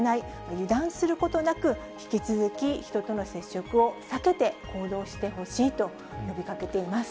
油断することなく、引き続き人との接触を避けて行動してほしいと呼びかけています。